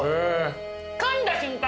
かんだ瞬間